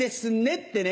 ってね